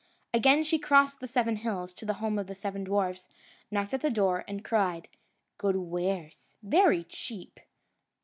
Again she crossed the seven hills to the home of the seven dwarfs, knocked at the door, and cried, "Good wares, very cheap!"